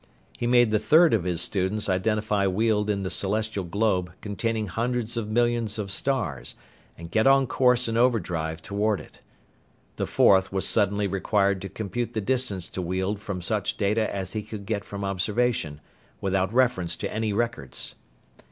He made the third of his students identify Weald in the celestial globe containing hundreds of millions of stars, and get on course in overdrive toward it. The fourth was suddenly required to compute the distance to Weald from such data as he could get from observation, without reference to any records.